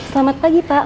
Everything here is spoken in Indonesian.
selamat pagi pak